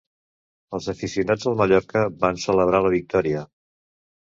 Els aficionats del Mallorca van celebrar la victòria.